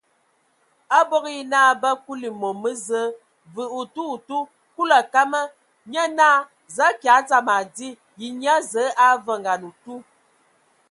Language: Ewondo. Abog yǝ naa bə akuli mom mə Zəə vǝ otu otu Kulu a kama, nye naa: Za akyaɛ, dzam adi! Ye nyia Zǝə a avoŋan otu?